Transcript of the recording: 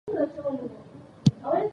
لومړی شی د کلیماتو په تشکیل کښي اشتقاق دئ.